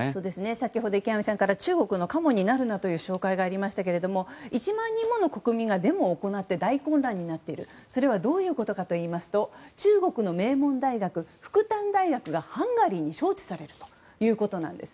先ほど池上さんから中国のカモになるなという紹介がありましたけど１万人もの国民がデモを行って大混乱になっているそれはどういうことかというと中国の名門大学復旦大学がハンガリーに招致されるということなんです。